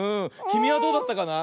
きみはどうだったかな？